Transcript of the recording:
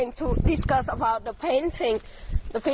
นี่ค่ะสภาพคือแบบหน้า